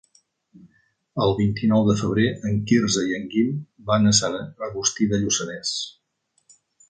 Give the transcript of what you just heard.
El vint-i-nou de febrer en Quirze i en Guim van a Sant Agustí de Lluçanès.